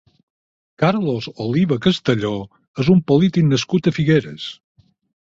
Carlos Oliva Castelló és un polític nascut a Figueres.